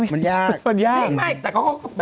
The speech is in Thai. มันยาก